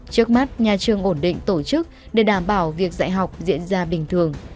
trước mắt nhà trường ổn định tổ chức để đảm bảo việc dạy học diễn ra bình thường